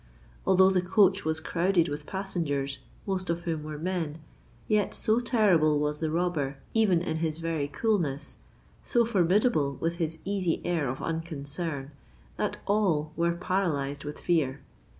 Although the coach was crowded with passengers, most of whom were men, yet so terrible was the robber even in his very coolness—so formidable with his easy air of unconcern, that all were paralysed with fear.